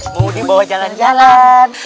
mau dibawa jalan jalan